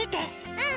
うん！